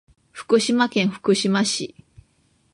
福島県福島市